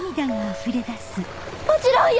もちろんよ！